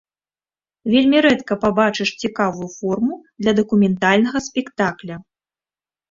Вельмі рэдка пабачыш цікавую форму для дакументальнага спектакля.